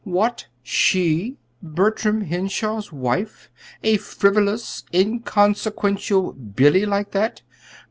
'What, she Bertram Henshaw's wife? a frivolous, inconsequential "Billy" like that?'